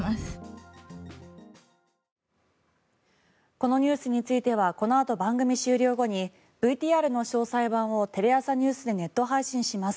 このニュースについてはこの後番組終了後にＶＴＲの詳細版を、テレ朝ｎｅｗｓでネット配信します。